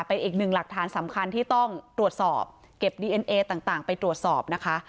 เป็นอีกหนึ่งหลักฐานสำคัญที่ต้องตรวจสอบเก็บดีเอ็นเอต่างไปตรวจสอบนะคะ